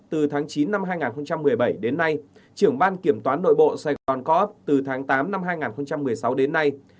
từ tháng chín năm hai nghìn một mươi bảy đến nay trưởng ban kiểm toán nội bộ sài gòn co op từ tháng tám năm hai nghìn một mươi sáu đến nay